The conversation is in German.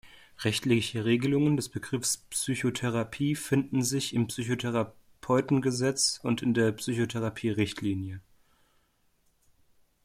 Rechtliche Regelungen des Begriffs Psychotherapie finden sich im Psychotherapeutengesetz und in der Psychotherapie-Richtlinie.